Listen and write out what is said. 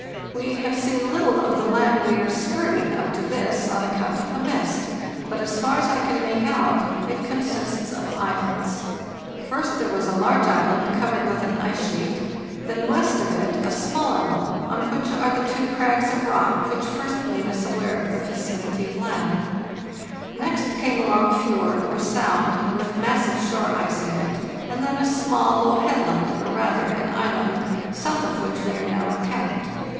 We have seen little of the land we are skirting up to this, on account of the mist; but as far as I can make out it consists of islands. First there was a large island covered with an ice sheet; then west of it a smaller one, on which are the two crags of rock which first made us aware of the vicinity of land; next came a long fjord or sound, with massive shore ice in it; and then a small, low headland, or rather an island, south of which we are now encamped.